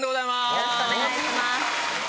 よろしくお願いします。